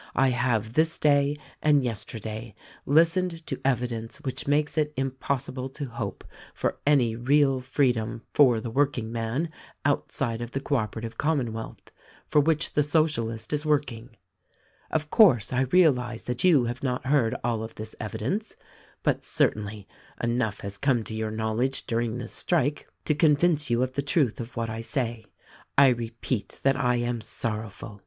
I have this day and yester day listened to evidence which makes it impossible to hope for any real freedom for the workingman outside of the Co operative Commonwealth, for which the Socialist is work ing. Of course, I realize that you have not heard all of this evidence ; but certainly, enough has come to your knowledge during this strike to convince you of the truth of what I say. I repeat that I am sorrowful.